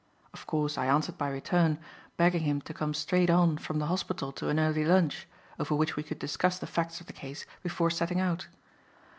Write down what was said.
Of course, I answered by return, begging him to come straight on from the hospital to an early lunch, over which we could discuss the facts of the case before setting out.